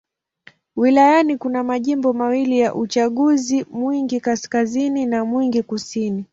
Wilayani kuna majimbo mawili ya uchaguzi: Mwingi Kaskazini na Mwingi Kusini.